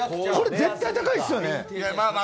絶対高いですよね。